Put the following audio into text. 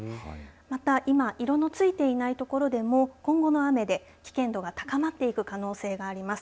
また今色のついていない所でも今後の雨で危険度が高まっていく可能性があります。